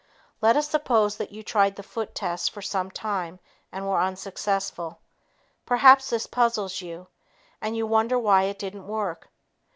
Let us suppose that you tried the foot test for some time and were unsuccessful. Perhaps this puzzles you, and you wonder why it didn't work.